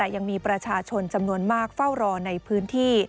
ยังมีประชาชนจำนวนมากเฝ้ารอในพื้นที่